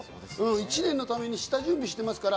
一年のために下準備してますから。